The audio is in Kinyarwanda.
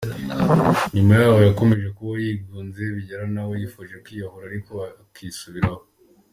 Nyuma y’aho yakomeje kubaho yigunze bigera n’aho yifuje kwiyahura ariko akisubiraho.